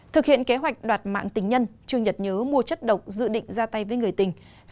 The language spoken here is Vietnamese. thực hiện kế hoạch đoạt mạng tính nhân trương nhật nhớ mua chất độc dự định ra tay với người tình